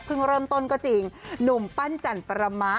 เริ่มต้นก็จริงหนุ่มปั้นจันประมะ